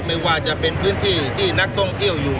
ไม่ว่าจะเป็นพื้นที่ที่นักท่องเที่ยวอยู่